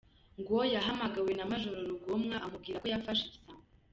Ngo yahamagawe na Major Rugomwa amubwira ko yafashe igisambo.